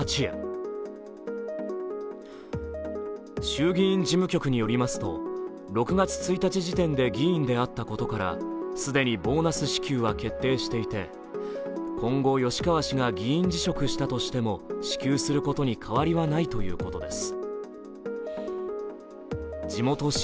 衆議院事務局によりますと６月１日時点で議員であったことから既にボーナス支給は決定していて、今後、吉川氏が議員辞職したとしても支給することに変わりはないということです。